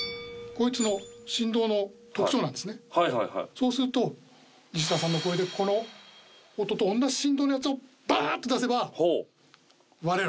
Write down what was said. そうするとニシダさんの声でこの音と同じ振動のやつをバ！っと出せば割れるはずです。